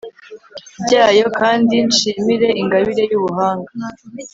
byayo, kandi nshimire ingabire y'ubuhanga